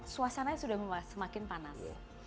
suasananya sudah semakin panas